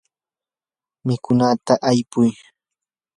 mikunata aypuy.